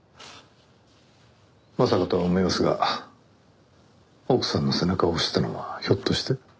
まさかとは思いますが奥さんの背中を押したのはひょっとして。